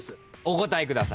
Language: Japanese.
お答えください。